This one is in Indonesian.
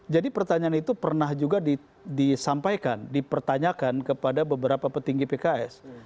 jadi pertanyaan itu pernah juga disampaikan dipertanyakan kepada beberapa petinggi pks